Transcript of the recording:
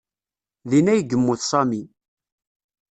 Din ay yemmut Sami.